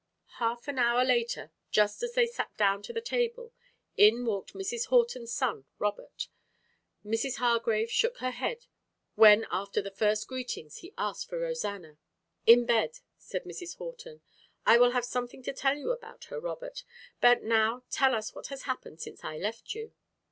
Half an hour later just as they sat down to the table, in walked Mrs. Horton's son Robert. Mrs. Hargrave shook her head when after the first greetings he asked for Rosanna. "In bed," said Mrs. Horton. "I will have something to tell you about her later, Robert, but now tell us what has happened since I left you."